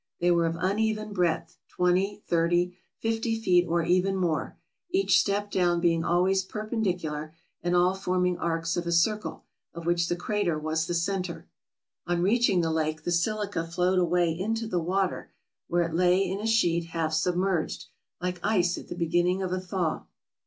They were of uneven breadth — twenty, thirty, fifty feet, or even more ; each step down being always perpen dicular, and all forming arcs of a circle, of which the crater was the center. On reaching the lake the silica flowed away into the water, where it lay in a sheet half submerged, like ice at the beginning of a thaw.